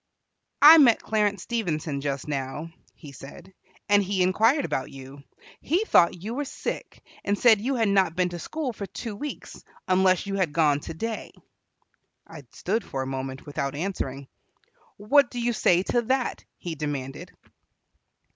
"I met Clarence Stevenson just now," he said, "and he inquired about you. He thought you were sick, and said you had not been to school for two weeks, unless you had gone today." I stood for a moment without answering. "What do you say to that?" he demanded.